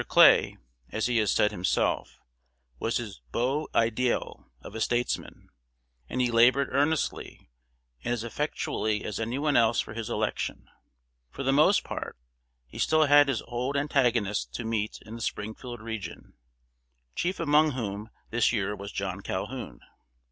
Clay, as he has said himself, was his "beau ideal of a statesman," and he labored earnestly and as effectually as any one else for his election. For the most part, he still had his old antagonists to meet in the Springfield region, chief among whom this year was John Calhoun.